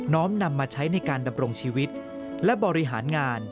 ้อมนำมาใช้ในการดำรงชีวิตและบริหารงาน